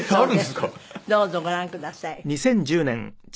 どうぞご覧ください。